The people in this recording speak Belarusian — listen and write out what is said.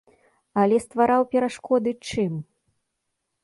Але ствараў перашкоды чым?